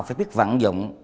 phải biết vạn dụng